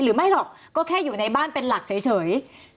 หรือไม่หรอกก็แค่อยู่ในบ้านเป็นหลักเฉย